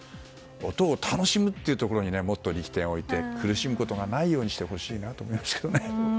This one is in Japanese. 音を楽しむところにもっと力点を置いて苦しむことがないようにしてほしいなと思いますけどね。